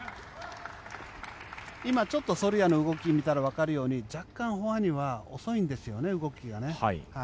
今、ちょっとソルヤの動きを見たらわかるように若干、フォアには遅いんですよね動きが。